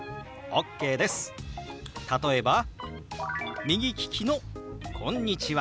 例えば右利きの「こんにちは」。